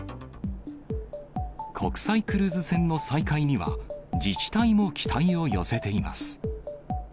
国際クルーズ船の再開には、自治体も期待を寄せています。